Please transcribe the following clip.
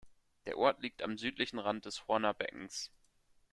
Der Ort liegt am südlichen Rand des Horner Beckens.